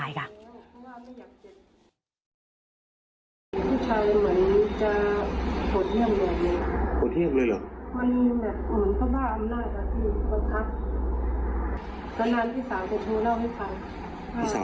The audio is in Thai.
พี่เคยเล่าให้ฟังว่าอยู่ด้วยไม่ได้ไม่อยู่แล้ว